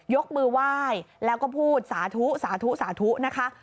ยกมือไหว้แล้วก็พูดสาธุนะคะ